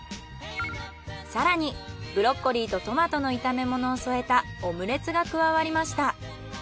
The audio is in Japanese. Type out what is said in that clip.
更にブロッコリーとトマトの炒め物を添えたオムレツが加わりました。